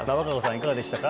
いかがでしたか？